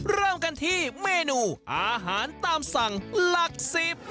เริ่มกันที่เมนูอาหารตามสั่งหลักสิบ